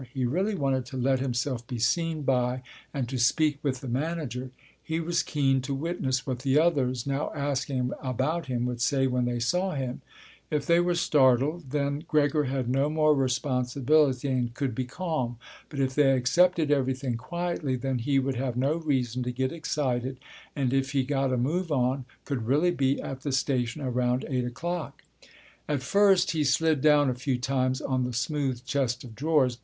He really wanted to let himself be seen by and to speak with the manager. He was keen to witness what the others now asking about him would say when they saw him. If they were startled, then Gregor had no more responsibility and could be calm. But if they accepted everything quietly, then he would have no reason to get excited and, if he got a move on, could really be at the station around eight o'clock. At first he slid down a few times on the smooth chest of drawers.